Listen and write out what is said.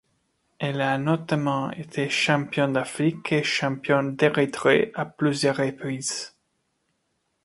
Elle a notamment été championne d'Afrique et championne d'Érythrée à plusieurs reprises.